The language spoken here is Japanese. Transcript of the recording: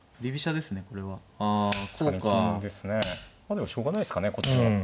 でもしょうがないですかねこっちも。